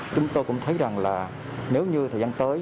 chúng tôi cũng thấy rằng là nếu như thời gian tới